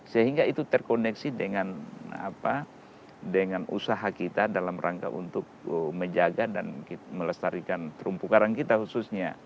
sehingga itu terkoneksi dengan usaha kita dalam rangka untuk menjaga dan melestarikan terumpu karang kita khususnya